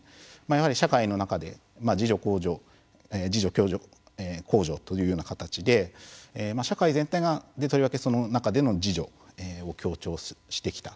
やはり、社会の中で自助、共助公助というような形で社会全体とりわけ、その中での自助を強調してきた。